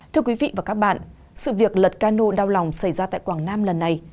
thưa quý vị và các bạn sự việc lật cano đau lòng xảy ra tại quảng nam lần này